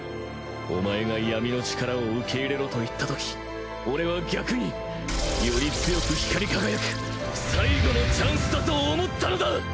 お前が闇の力を受け入れろと言ったとき俺は逆により強く光り輝く最後のチャンスだと思ったのだ！